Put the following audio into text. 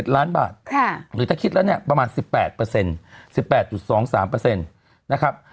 ๗๖๗๑ล้านบาทหรือถ้าคิดแล้วประมาณ๑๘๒๓นะครับ